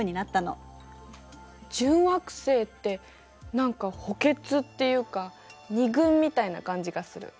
準惑星って何か補欠っていうか二軍みたいな感じがする。